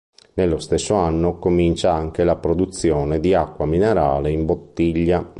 Nello stesso anno comincia anche la produzione di acqua minerale in bottiglia.